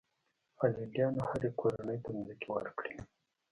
هالنډیانو هرې کورنۍ ته ځمکې ورکړې.